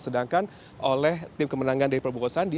sedangkan oleh tim kemenangan dari prabowo sandi